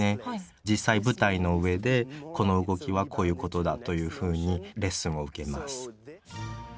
実際舞台の上でこの動きはこういうことだというふうにレッスンを受けます。